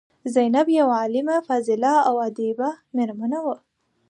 زینب یوه عالمه، فاضله او ادیبه میرمن وه.